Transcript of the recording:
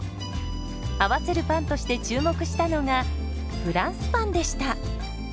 合わせるパンとして注目したのがフランスパンでした。